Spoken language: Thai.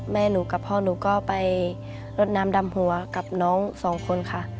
แม่หนูกับพ่อหนูก็ไปรดน้ำดำหัวกับน้องสองคนค่ะ